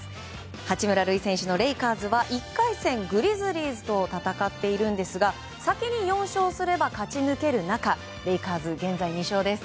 八村塁選手のレイカーズは１回戦、グリズリーズと戦っているんですが先に４勝すれば勝ち抜ける中レイカーズ、現在２勝です。